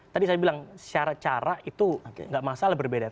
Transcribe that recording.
tadi saya bilang syarat cara itu nggak masalah berbeda